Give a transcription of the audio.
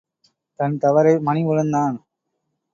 தன் தவறை மணி உணர்ந்தான்.